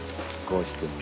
こうして。